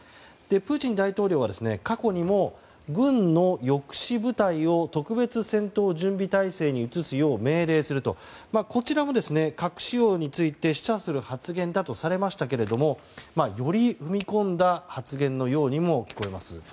プーチン大統領は過去にも、軍の抑止部隊を特別戦闘準備態勢に移すよう命令するとこちらも核使用について示唆する発言だとされましたがより踏み込んだ発言のようにも聞こえます。